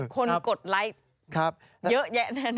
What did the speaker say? กดไลค์เยอะแยะแน่นอ